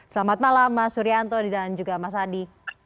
selamat malam mas suryanto dan juga mas adi